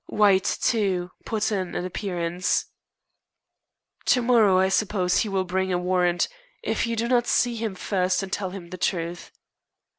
White, too, put in an appearance. To morrow, I suppose, he will bring a warrant, if you do not see him first and tell him the truth.